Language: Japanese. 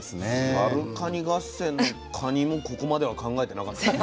サルカニ合戦のカニもここまでは考えてなかったですね。